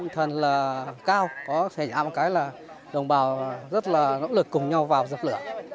thần là cao có thể dạng một cái là đồng bào rất nỗ lực cùng nhau vào dập lửa